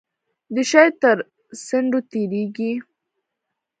د شی تر څنډو تیریږي.